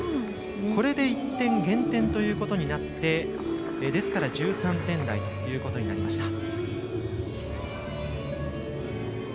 これで１点減点ということになってですから、１３点台ということになりました。